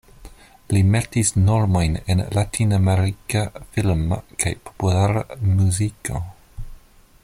Li metis normojn en latinamerika filma kaj populara muziko.